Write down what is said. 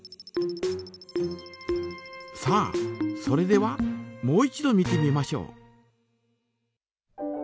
さあそれではもう一度見てみましょう。